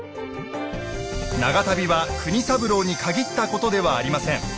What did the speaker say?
長旅は国三郎に限ったことではありません。